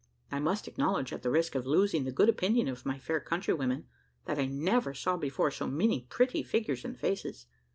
I must acknowledge, at the risk of losing the good opinion of my fair countrywomen, that I never saw before so many pretty figures and faces.